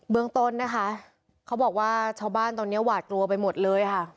เมืองต้นนะคะเขาบอกว่าชาวบ้านตอนนี้หวาดกลัวไปหมดเลยค่ะ